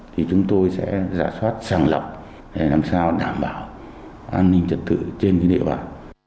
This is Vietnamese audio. thì chúng tôi sẽ giả soát sàng lọc để làm sao đảm bảo an ninh trật tự trên địa bàn